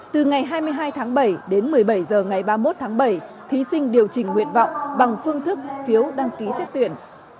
từ ngày hai mươi hai tháng bảy đến một mươi bảy h ngày ba mươi một tháng bảy thí sinh điều chỉnh nguyện vọng bằng phương thức phiếu đăng ký xét tuyển